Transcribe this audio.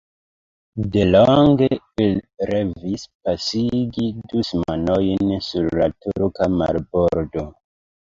Delonge ili revis pasigi du semajnojn sur la turka marbordo.